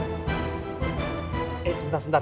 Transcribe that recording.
eh sebentar sebentar